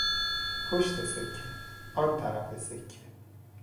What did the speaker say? پشت سکه، آن طرف سکه